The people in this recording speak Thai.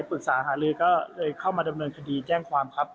ปรึกษาหาลือก็เลยเข้ามาดำเนินคดีแจ้งความครับ